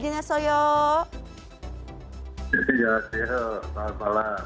jalan jalan soyo selamat malam